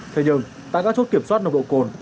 thế nhưng tại các chốt kiểm soát nồng độ cồn